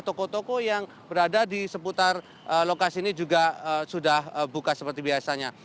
toko toko yang berada di seputar lokasi ini juga sudah buka seperti biasanya